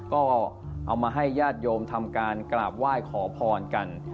ก็เอามาให้ญาติโยมทำการกราบไหว้ขอพรกัน